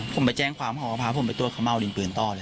ผมไปแจ้งความเขาก็พาผมไปตรวจขม่าวดินปืนต่อเลย